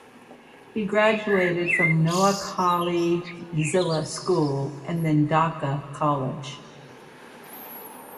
He graduated from Noakhali Zilla School and then Dhaka College.